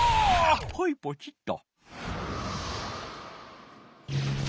はいポチッと。